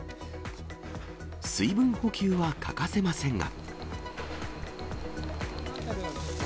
水分補給は欠かせませんが。